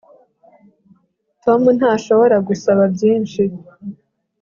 Tom ntashobora gusaba byinshi